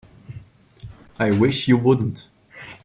I wish you wouldn't.